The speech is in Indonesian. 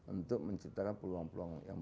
untuk menciptakan peluang peluang yang